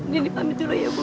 nini pamit dulu ya ibu